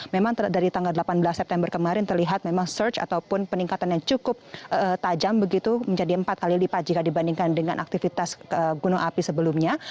memang dari tanggal delapan belas september kemarin terlihat memang search ataupun peningkatan yang cukup tajam begitu menjadi empat kali lipat jika dibandingkan dengan aktivitas gunung api sebelumnya